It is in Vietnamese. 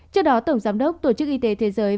trước đó tổng giám đốc tổ chức y tế thế giới